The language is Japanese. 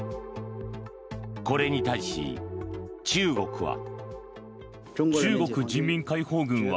これに対し、中国は。